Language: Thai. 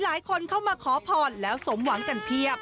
หลายคนเข้ามาขอพรแล้วสมหวังกันเพียบ